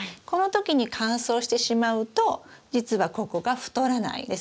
この時に乾燥してしまうと実はここが太らない。